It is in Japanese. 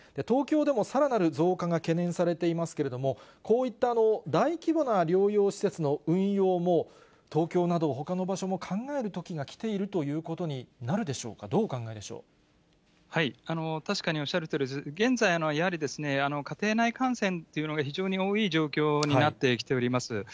東京でもさらなる増加が懸念されていますけれども、こういった大規模な療養施設の運用も、東京など、ほかの場所も考える時が来ているということになるでしょうか、確かにおっしゃるとおり、現在、やはり家庭内感染というのが非常に多い状況になってきております。